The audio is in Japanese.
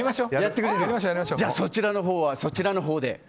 そちらのほうはそちらのほうで。